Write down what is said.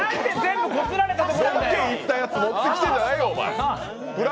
ロケで行ったやつ持ってくるんじゃないよ！